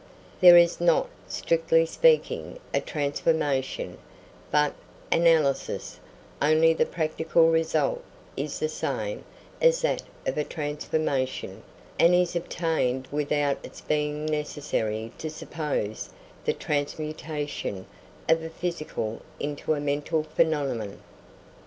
There is not, strictly speaking, a transformation, but an analysis; only, the practical result is the same as that of a transformation, and is obtained without its being necessary to suppose the transmutation of a physical into a mental phenomenon.